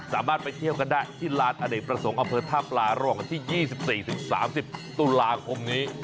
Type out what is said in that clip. สามารถไปเที่ยวกันได้ที่ลานอเนกประสงค์อำเภอท่าปลาระหว่างวันที่๒๔๓๐ตุลาคมนี้